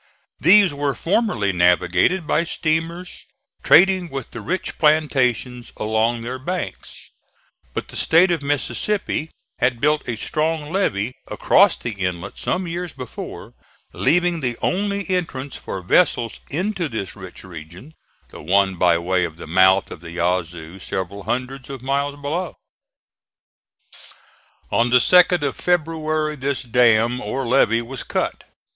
These were formerly navigated by steamers trading with the rich plantations along their banks; but the State of Mississippi had built a strong levee across the inlet some years before, leaving the only entrance for vessels into this rich region the one by way of the mouth of the Yazoo several hundreds of miles below. On the 2d of February this dam, or levee, was cut.